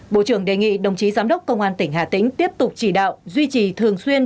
bộ trưởng đề nghị đồng chí giám đốc công an tỉnh hà tĩnh tiếp tục chỉ đạo duy trì thường xuyên